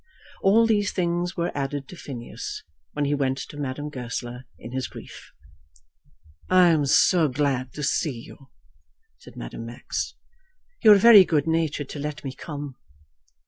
All these things were added to Phineas when he went to Madame Goesler in his grief. "I am so glad to see you," said Madame Max. "You are very good natured to let me come."